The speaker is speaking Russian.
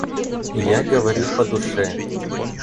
Я говорю по душе.